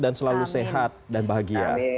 dan selalu sehat dan bahagia